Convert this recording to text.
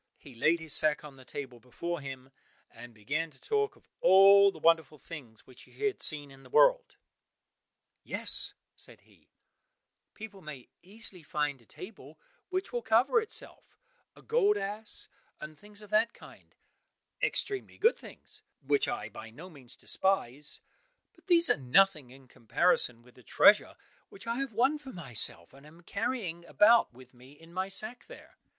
He laid his sack on the table before him, and began to talk of all the wonderful things which he had seen in the world. "Yes," said he, "people may easily find a table which will cover itself, a gold ass, and things of that kind—extremely good things which I by no means despise—but these are nothing in comparison with the treasure which I have won for myself, and am carrying about with me in my sack there."